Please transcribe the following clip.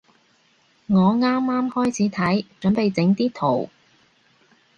我啱啱開始睇，準備整啲圖